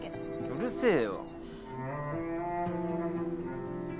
うるせえよ